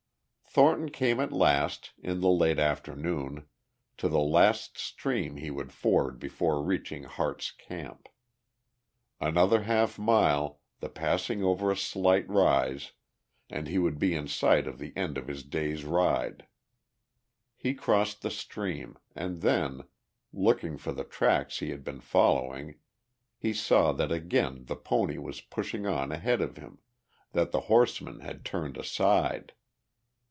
Thornton came at last, in the late afternoon, to the last stream he would ford before reaching Harte's Camp. Another half mile, the passing over a slight rise, and he would be in sight of the end of his day's ride. He crossed the stream, and then, looking for the tracks he had been following, he saw that again the pony was pushing on ahead of him, that the horseman had turned aside.